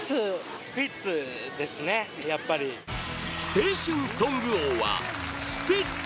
青春ソング王はスピッツ！